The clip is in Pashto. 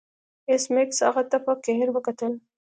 ایس میکس هغه ته په قهر وکتل